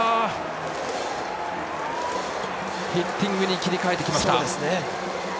ヒッティングに切り替えてきました。